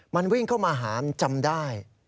มันวิ่งเข้ามาหามันจำได้